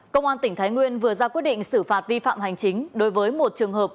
công an tỉnh thái nguyên vừa ra quyết định xử phạt vi phạm hành chính đối với một trường hợp